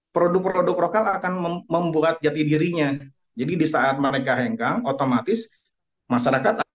produk produk lokal akan membuat jati dirinya jadi di saat mereka hengkang otomatis masyarakat